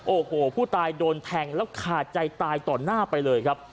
โอ้โหผู้ตายโดนแทงแล้วขาดใจตายต่อหน้าไปเลยครับ